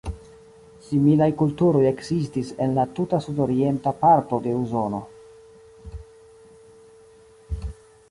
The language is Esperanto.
Similaj kulturoj ekzistis en la tuta sudorienta parto de Usono.